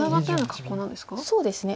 そうですね。